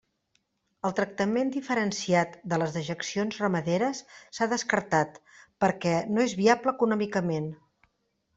El tractament diferenciat de les dejeccions ramaderes s'ha descartat, perquè no és viable econòmicament.